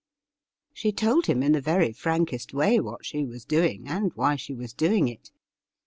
She told him in the very frankest way what she was doing, and why she was doing it.